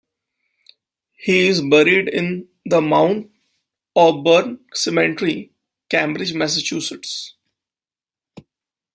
He is buried in the Mount Auburn Cemetery, Cambridge, Massachusetts.